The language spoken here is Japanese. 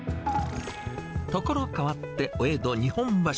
所変わって、お江戸日本橋。